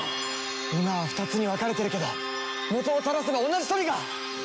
今は２つに分かれてるけど元を正せは同じトリガー！